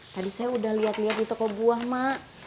tadi saya udah liat liat di toko buah mak